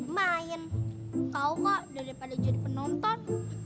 gak usah marah deh don